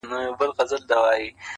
په نوبت يې مخاطب هر يو حيوان کړ